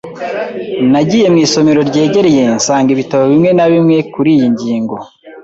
Nagiye mu isomero ryegereye nsanga ibitabo bimwe na bimwe kuriyi ngingo